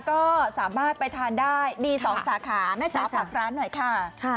ก็สามารถไปทานได้มี๒สาขาแม่จ๋าฝากร้านหน่อยค่ะ